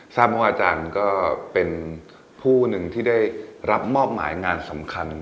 ทราบว่าอาจารย์ก็เป็นผู้หนึ่งที่ได้รับมอบหมายงานสำคัญ